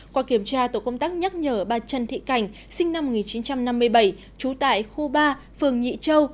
qua kiểm tra tổ công tác nhắc nhở bà trần thị cảnh sinh năm một nghìn chín trăm năm mươi bảy trú tại khu ba phường nhị châu